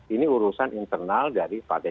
ini urusan internal dari partai